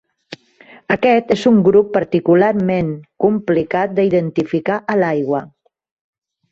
Aquest és un grup particularment complicat d'identificar a l'aigua.